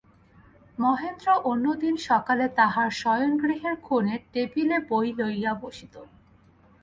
মহেন্দ্র অন্যদিন সকালে তাহার শয়নগৃহের কোণে টেবিলে বই লইয়া বসিত।